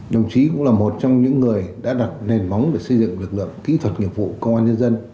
đồng chí cũng là một trong những người đã đặt nền móng để xây dựng lực lượng kỹ thuật nghiệp vụ công an nhân dân